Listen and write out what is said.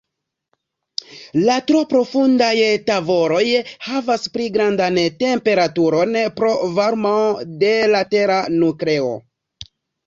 La tro profundaj tavoloj havas pli grandan temperaturon pro varmo de la tera nukleo.